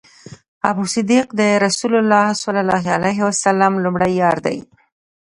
ابوبکر صديق د رسول الله صلی الله عليه وسلم لومړی یار دی